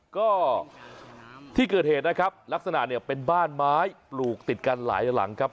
ก็ที่เกิดเหตุนะครับลักษณะเนี่ยเป็นบ้านไม้ปลูกติดกันหลายหลังครับ